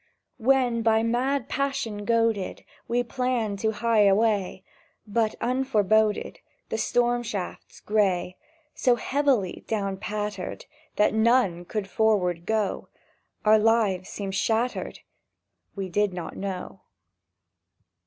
When, by mad passion goaded, We planned to hie away, But, unforeboded, The storm shafts gray So heavily down pattered That none could forthward go, Our lives seemed shattered ... —We did not know!